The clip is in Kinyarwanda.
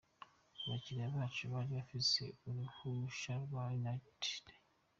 Abakiriya bacu bari bafise uruhusha rwa United.